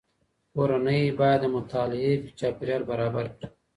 کورنۍ باید د مطالعې چاپیریال برابر کړي.